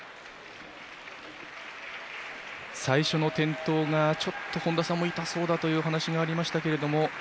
最初の転倒がちょっと本田さんも痛そうだという話もありましたけれども。